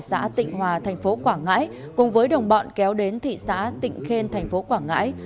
xã tịnh hòa thành phố quảng ngãi cùng với đồng bọn kéo đến thị xã tịnh khen thành phố quảng ngãi